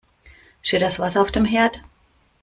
Steht das Wasser auf dem Herd?